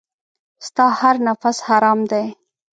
ستا هر نفس حرام دی .